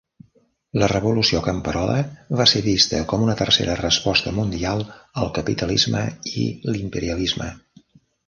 La revolució camperola va ser vista com una tercera resposta mundial al capitalisme i l'imperialisme.